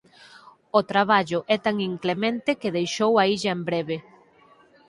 O traballo é tan inclemente que deixou a illa en breve.